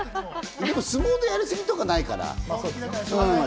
でも相撲のやりすぎとか、ないから。